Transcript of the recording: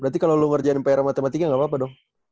berarti kalo lu ngerjain pr matematika gak apa apa dong